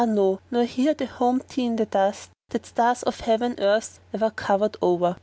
nor ere they homed thee in the dust * That stars of heaven earth ever covered o'er.